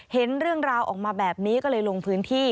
เห็นเรื่องราวออกมาแบบนี้ก็เลยลงพื้นที่